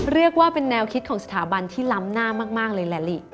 เรียกว่าเป็นแนวคิดของสถาบันที่ล้ำหน้ามากเลยแหละลิ